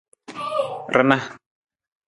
Rana.